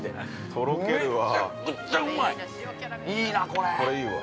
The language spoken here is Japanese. ◆とろけるわ。